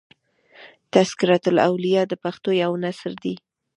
" تذکرة الاولیاء" د پښتو یو نثر دﺉ.